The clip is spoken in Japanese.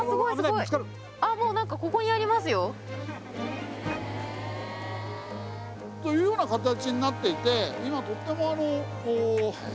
もうなんかここにありますよ。というような形になっていて。